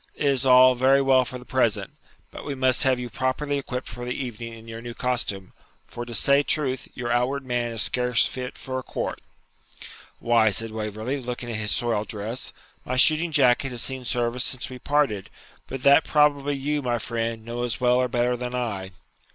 It is all very well for the present, and we must have you properly equipped for the evening in your new costume; for, to say truth, your outward man is scarce fit for a court.' 'Why,' said Waverley, looking at his soiled dress,'my shooting jacket has seen service since we parted; but that probably you, my friend, know as well or better than I.'